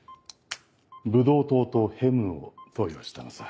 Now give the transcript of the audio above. ブドウ糖とヘムを投与したのさ。